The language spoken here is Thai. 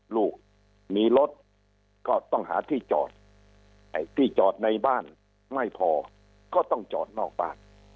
ลูกมีรถก็ต้องหาที่จอดที่จอดในบ้านไม่พอก็ต้องจอดนอกบ้าน